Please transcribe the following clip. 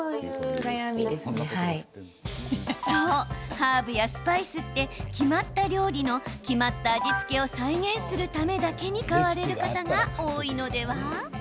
ハーブやスパイスって決まった料理の決まった味付けを再現するためだけに買われる方が多いのでは？